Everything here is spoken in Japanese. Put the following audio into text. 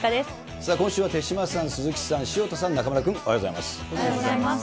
さあ今週は手嶋さん、鈴木さん、潮田さん、中丸君、おはようございます。